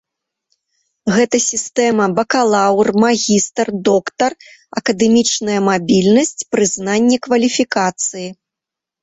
Гэта сістэма бакалаўр-магістр-доктар, акадэмічная мабільнасць, прызнанне кваліфікацыі.